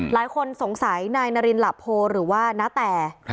หลายคนสงสัยนายนารินหลับโพหรือว่านาแต